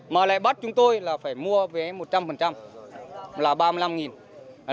mà lại bắt chúng tôi là phải mua vé một trăm linh là ba mươi năm